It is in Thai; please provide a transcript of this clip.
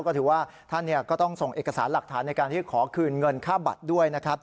ก็ถือว่าท่านก็ต้องส่งเอกสารหลักฐานในการที่ขอคืนเงินค่าบัตรด้วยนะครับ